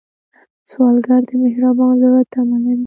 سوالګر د مهربان زړه تمه لري